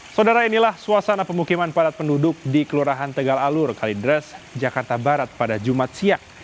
saudara inilah suasana pemukiman padat penduduk di kelurahan tegal alur kalidres jakarta barat pada jumat siang